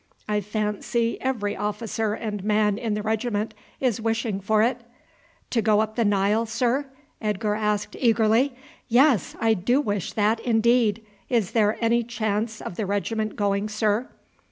I fancy every officer and man in the regiment is wishing for it." "To go up the Nile, sir?" Edgar said eagerly. "Yes; I do wish that, indeed. Is there any chance of the regiment going, sir?"